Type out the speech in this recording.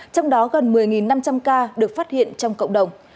trong đó gần một mươi năm trăm linh ca được phát hiện trong cộng đồng